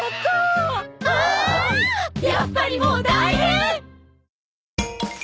やっぱりもう大変！